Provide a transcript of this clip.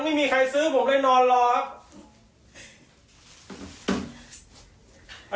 ไม่มีใครซื้อผมเลยนอนรอครับ